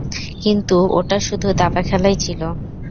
কিন্তু ওটা শুধু দাবা খেলাই ছিল।